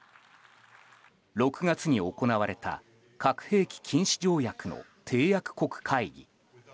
６月に行われた核兵器禁止条約の締約国会議。